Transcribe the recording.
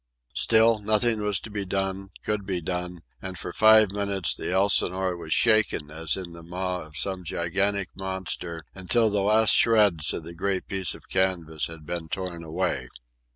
Still, nothing was to be done, could be done; and for five minutes the Elsinore was shaken as in the maw of some gigantic monster, until the last shreds of the great piece of canvas had been torn away.